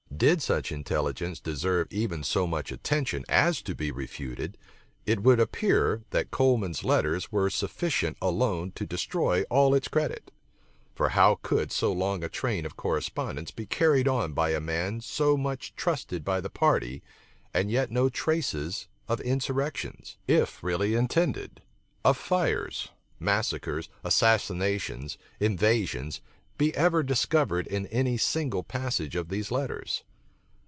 Did such intelligence deserve even so much attention as to be refuted, it would appear, that Coleman's letters were sufficient alone to destroy all its credit. For how could so long a train of correspondence be carried on by a man so much trusted by the party, and yet no traces of insurrections, if really intended, of fires, massacres, assassinations, invasions, be ever discovered in any single passage of these letters?